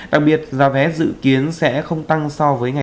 đặc biệt giá vé dự kiến sẽ không tăng so với ngày ba mươi một tháng tám